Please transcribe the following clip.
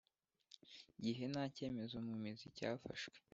Gihe nta cyemezo mu mizi cyafashwe